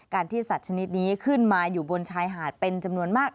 ที่สัตว์ชนิดนี้ขึ้นมาอยู่บนชายหาดเป็นจำนวนมาก